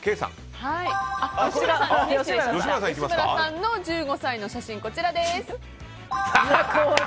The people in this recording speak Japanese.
吉村さんの１５歳の写真こちらです。